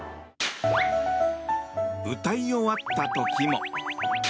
歌い終わった時も。